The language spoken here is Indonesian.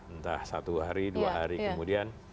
entah satu hari dua hari kemudian